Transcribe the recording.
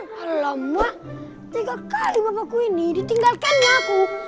alamak tiga kali bapakku ini ditinggalkan sama aku